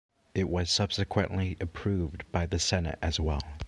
It was subsequently approved by the Senate as well.